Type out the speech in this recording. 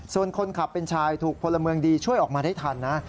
ส่วนคนขับเป็นชายถูกพลเมืองดีช่วยออกมาได้ทันนะ